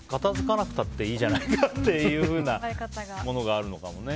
片付かなくたっていいじゃないかというのがあるのかもね。